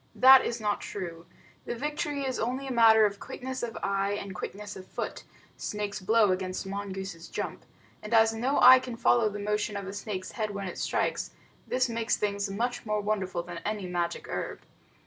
That is not true. The victory is only a matter of quickness of eye and quickness of foot snake's blow against mongoose's jump and as no eye can follow the motion of a snake's head when it strikes, this makes things much more wonderful than any magic herb.